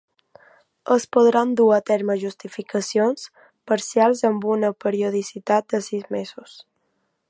Es podran dur a terme justificacions parcials amb una periodicitat de sis mesos.